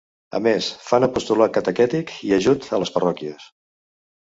A més, fan apostolat catequètic i ajut a les parròquies.